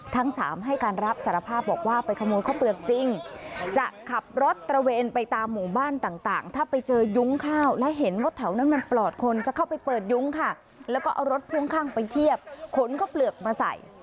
ทั้งสามให้การรับสารภาพบอกว่าไปขโมยข้าวเปลือกจริงจะขับรถตระเวนไปตามหมู่บ้านต่างถ้าไปเจอยุ้งข้าวและเห็นว่าแถวนั้นมันปลอดคนจะเข้าไปเปิดยุ้งค่ะแล้วก็เอารถพ่วงข้างไปเทียบขนข้าวเปลือกมาใส่